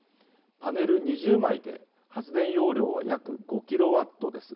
パネル２０枚で発電容量は約５キロワットです。